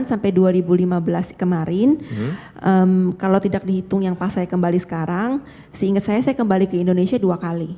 sampai dua ribu lima belas kemarin kalau tidak dihitung yang pas saya kembali sekarang seingat saya saya kembali ke indonesia dua kali